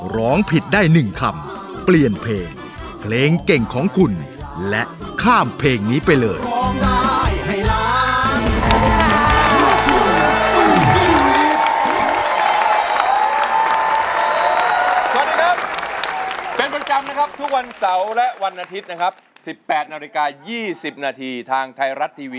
ร้องผิดได้๑คำเปลี่ยนเพลงเพลงเก่งของคุณและข้ามเพลงนี้ไปเลย